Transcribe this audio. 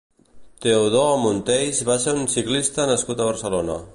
Teodor Monteys va ser un ciclista nascut a Barcelona.